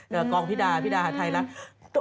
กองพี่ดาพี่ดาหาไทยแล้ว